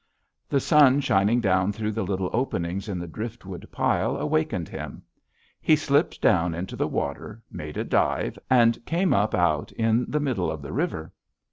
"The sun shining down through the little openings in the driftwood pile awakened him. He slipped down into the water, made a dive, and came up out in the middle of the river.